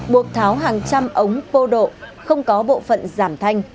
buộc tháo hàng trăm ống pô độ không có bộ phận giảm thanh